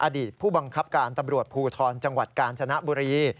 อดีตผู้บังคับการตำรวจภูทรจังหวัดกาญจนบุรี